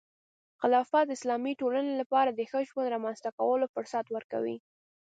خلافت د اسلامي ټولنې لپاره د ښه ژوند رامنځته کولو فرصت ورکوي.